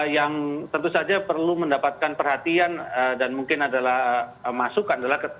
yang tentu saja perlu mendapatkan perhatian dan mungkin adalah masukan adalah